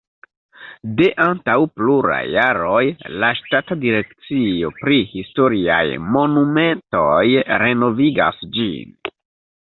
De antaŭ pluraj jaroj la ŝtata direkcio pri historiaj monumentoj renovigas ĝin.